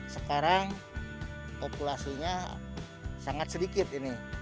sangat sedikit ini